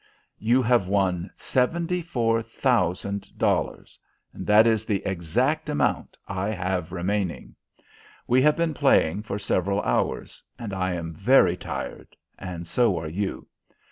"You have won seventy four thousand dollars, and that is the exact amount I have remaining. We have been playing for several hours, and I am very tired, and so are you.